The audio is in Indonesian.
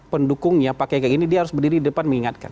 pendukungnya pakai kayak gini dia harus berdiri di depan mengingatkan